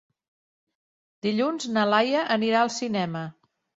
Dilluns na Laia anirà al cinema.